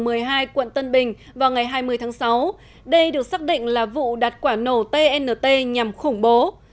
trong trường một mươi hai quận tân bình vào ngày hai mươi tháng sáu đây được xác định là vụ đặt quả nổ tnt nhằm khủng bố